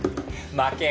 負け。